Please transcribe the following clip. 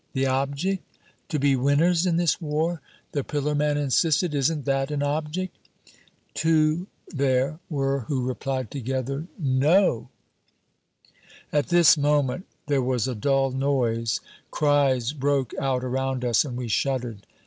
"The object? To be winners in this war," the pillar man insisted, "isn't that an object?" Two there were who replied together, "No!" At this moment there was a dull noise; cries broke out around us, and we shuddered.